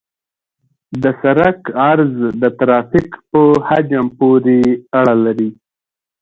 د سرک عرض د ترافیک په حجم پورې اړه لري